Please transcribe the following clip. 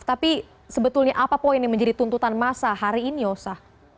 tapi sebetulnya apa poin yang menjadi tuntutan masa hari ini osa